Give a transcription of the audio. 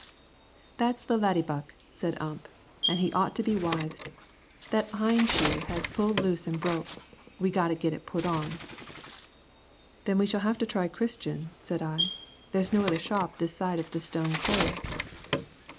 "That's the laddiebuck," said Ump, "an' he ought to be withed. That hind shoe has pulled loose an' broke. We've got to git it put on." "Then we shall have to try Christian," said I; "there's no other shop this side of the Stone Coal."